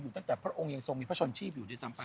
ตั้งแต่พระองค์ยังทรงมีพระชนชีพอยู่ด้วยซ้ำไป